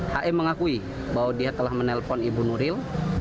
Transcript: hm mengakui bahwa dia telah menelpon ibu nuril